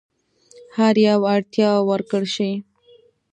هر یوه اړتیاوو ورکړل شي.